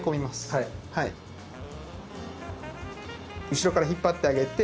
後ろから引っ張ってあげて。